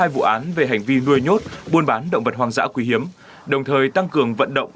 hai vụ án về hành vi nuôi nhốt buôn bán động vật hoang dã quý hiếm đồng thời tăng cường vận động